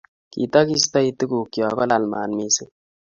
kitakiistai tuguk chok kolal mat mising